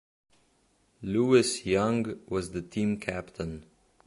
Louis Young was the team captain.